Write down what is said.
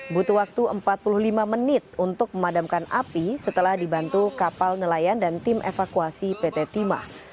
butuh waktu empat puluh lima menit untuk memadamkan api setelah dibantu kapal nelayan dan tim evakuasi pt timah